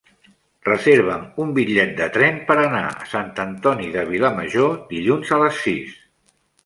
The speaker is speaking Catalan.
Reserva'm un bitllet de tren per anar a Sant Antoni de Vilamajor dilluns a les sis.